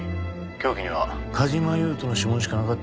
凶器には梶間優人の指紋しかなかった。